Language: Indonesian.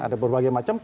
ada berbagai macam